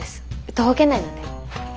徒歩圏内なんで。